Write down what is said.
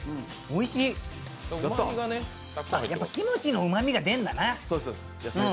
おいしい、やっぱキムチのうまみが出るんだな。